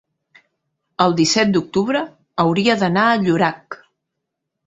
el disset d'octubre hauria d'anar a Llorac.